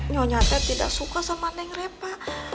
nyonya saya tidak suka sama neng repa